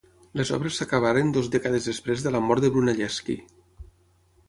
Les obres s'acabaren dues dècades després de la mort de Brunelleschi.